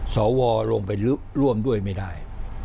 สวลงไปร่วมด้วยไม่ได้